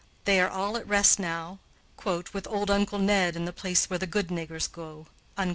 They are all at rest now with "Old Uncle Ned in the place where the good niggers go."